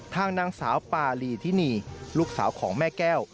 ทางนางสาวปารีทินีลูกสาวของแม่แก้ว